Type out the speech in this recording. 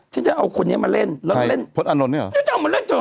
ฉันจะเอาคนนี้มาเล่นแล้วเล่นพลอันนทร์เนี้ยเหรอเอามาเล่น